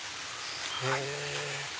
へぇ。